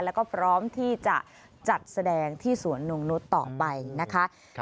แล้วก็พร้อมที่จะจัดแสดงที่สวนนงนุษย์ต่อไปนะคะ